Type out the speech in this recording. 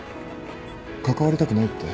関わりたくないって。